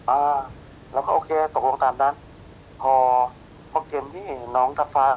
อ่าแล้วก็โอเคตกลงตามนั้นพอพอเกมที่น้องทับฟ้า